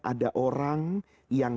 ada orang yang